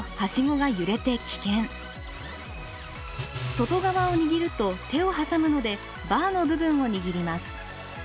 外側を握ると手を挟むのでバーの部分を握ります。